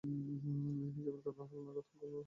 হিসাবের খাতা হাল নাগাদ করা থেকে "হালখাতা"-র উদ্ভব।